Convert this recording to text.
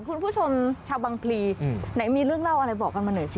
คุณผู้ชมชาวบังพลีไหนมีเรื่องเล่าอะไรบอกกันมาหน่อยสิ